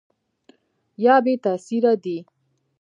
یا بې تاثیره دي ؟